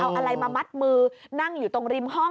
เอาอะไรมามัดมือนั่งอยู่ตรงริมห้อง